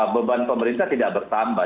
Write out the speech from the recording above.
beban pemerintah tidak bertambah